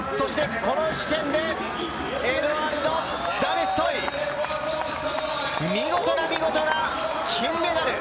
この時点でエドアルド・ダメストイ、見事な見事な金メダル！